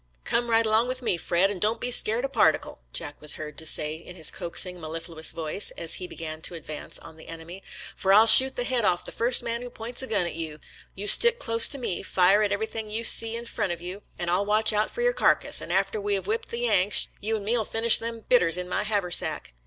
" Come right along with me, Fred, and don't be scared a par ticle," Jack was heard to say in his coaxing, 148 SOLDIER'S LETTERS TO CHARMING NELLIE mellifluous voice as we began to advance on the enemy, " for I'll shoot the head off the first man who points a gun at you. You stick close to me, fire at everything you see in front of you, and I'll watch out for your carcass, and after we have whipped the Yanks you an' me'U finish them bitters in my haversack."